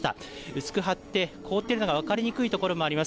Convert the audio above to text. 薄く張って、凍っているのが分かりにくい所もあります。